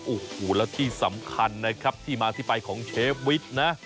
โอ้โหแล้วที่สำคัญนะครับที่มาที่ไปของเชฟวิทย์นะ